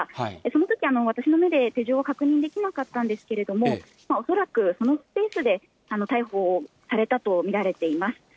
そのとき、私の目で手錠は確認できなかったんですけれども、恐らくそのスペースで、逮捕されたと見られています。